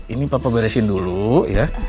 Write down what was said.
ini papa beresin dulu ya